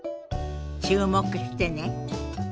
注目してね。